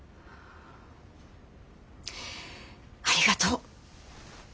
ありがとう。